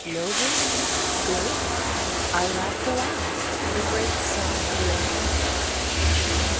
. "Noble? Good?" I laughed aloud, the great sob in my throat.